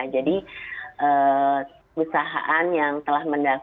jadi usahaan yang telah mengembangkan